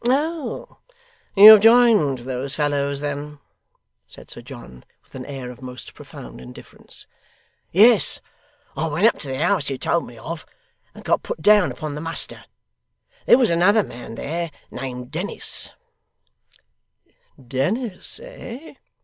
'Oh! you have joined those fellows then?' said Sir John, with an air of most profound indifference. 'Yes. I went up to the house you told me of; and got put down upon the muster. There was another man there, named Dennis ' 'Dennis, eh!